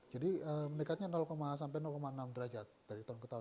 jadi mendekatnya enam derajat dari tahun ke tahun